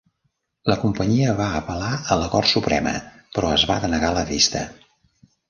La companyia va apel·lar a la Cort Suprema, però es va denegar la vista.